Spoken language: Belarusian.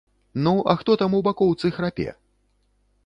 Ну, а хто там у бакоўцы храпе?